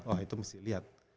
oh itu mesti lihat